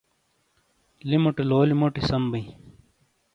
لِیموٹے لولی موٹی سم بِیں۔